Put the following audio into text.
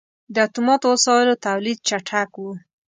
• د اتوماتو وسایلو تولید چټک و.